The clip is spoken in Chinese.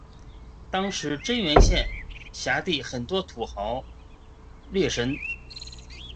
当时真源县辖地很多土豪劣绅。